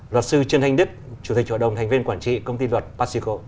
luật sư trương thanh đức chủ tịch hội đồng thành viên quản trị công ty luật paxico